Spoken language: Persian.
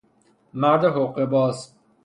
مرد حقهباز